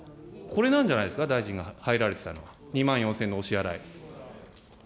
これなんじゃないですか、大臣が入られてたのは、２万４０００円のお支払い。